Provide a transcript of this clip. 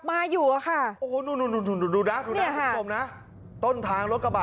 มาอยู่หรือคะโอ้โฮนี่ดูดักนี่ครับผมนะต้นทางรถกระบะ